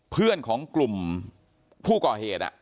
เพื่อนของกลุ่มผู้ก่อเหตุ